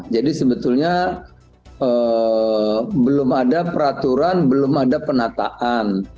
jadi sebetulnya belum ada peraturan belum ada penataan